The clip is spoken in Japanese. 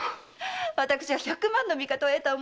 私は百万の味方を得た思いです。